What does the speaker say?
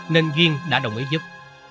nên duyên đã đồng ý giúp